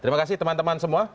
terima kasih teman teman semua